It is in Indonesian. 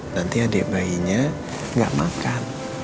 nanti adek bayinya gak makan